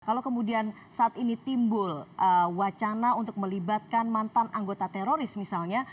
kalau kemudian saat ini timbul wacana untuk melibatkan mantan anggota teroris misalnya